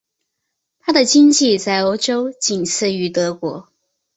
她的经济在欧洲仅次于德国。